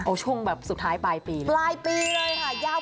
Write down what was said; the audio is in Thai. โอ้ช่วงแบบสุดท้ายปลายปีเลย